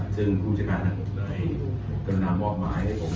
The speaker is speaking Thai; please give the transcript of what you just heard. ซึ่งผู้จัดการกำหนังบอกมาให้ผม